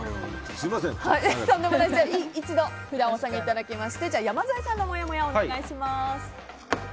一度札をお下げいただきまして山添さんのもやもやお願いします。